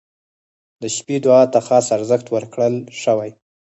• د شپې دعا ته خاص ارزښت ورکړل شوی.